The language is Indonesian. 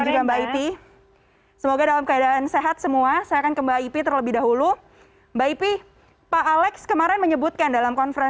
ya selamat sore